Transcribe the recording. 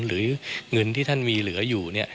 หรือเงินที่ท่านมีเหลืออยู่เนี่ย